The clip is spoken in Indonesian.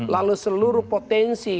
lalu seluruh potensi